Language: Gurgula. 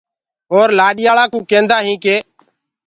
اور لآڏياݪآ ڪوٚ ڪيندآ هينٚ ڪي۔